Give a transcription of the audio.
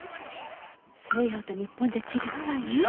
西洋と日本じゃ違うわよ。